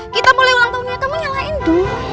kita mulai ulang tahunnya kamu nyalain dulu